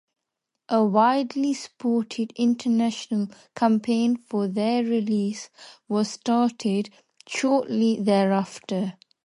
A widely supported international campaign for their release was started shortly thereafter.